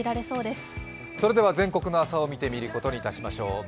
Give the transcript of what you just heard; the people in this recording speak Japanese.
それでは全国の朝を見てみることにしましょう。